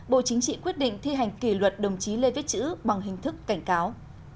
bộ chính trị quyết định thi hành kỷ luật đồng chí lê viết chữ bằng hình thức cảnh cáo